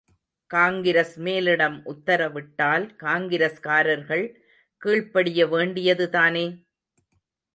காங்கிரஸ் மேலிடம் உத்தரவிட்டால் காங்கிரஸ்காரர்கள் கீழ்ப்படிய வேண்டியதுதானே?